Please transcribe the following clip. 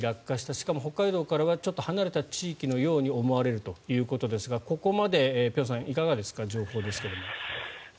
しかも北海道からはちょっと離れた地域のように思われるということですがここまで辺さん、いかがですか状況ですが。